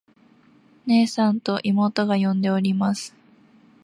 「ねえさん。」と妹が呼んでおります。